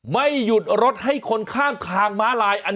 ไม่หยุดรถให้คนข้างทางม้าลาย